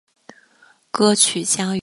歌曲将于中国及世界各地播放。